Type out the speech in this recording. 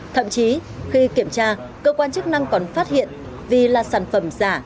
thậm chí khi kiểm tra cơ quan chức năng còn phát hiện vì là sản phẩm giả